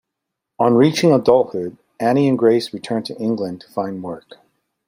On reaching adulthood, Annie and Grace returned to England to find work.